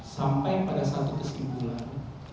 sampai pada satu kesimpulan